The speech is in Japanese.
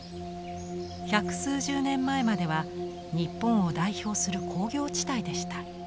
百数十年前までは日本を代表する工業地帯でした。